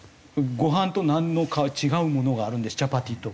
ご飯とナンの違うものがあるんですチャパティとか。